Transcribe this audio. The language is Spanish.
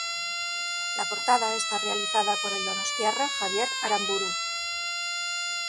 La portada está realizada por el donostiarra Javier Aramburu.